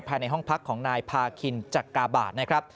ภายในห้องพักของนายพาคินจักกาบาทนะครับ